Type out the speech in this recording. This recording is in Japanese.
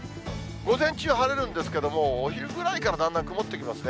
午前中は晴れるんですけれども、お昼ぐらいからだんだん曇ってきますね。